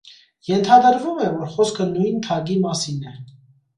Ենթադրվում է, որ խոսքը նույն թագի մասին է։